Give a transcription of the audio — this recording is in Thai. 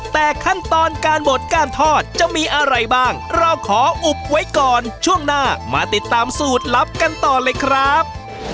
แต่ขั้นตอนการบดการทอดจะมีอะไรบ้างเราขออุบไว้ก่อนช่วงหน้ามาติดตามสูตรลับกันต่อเลยครับ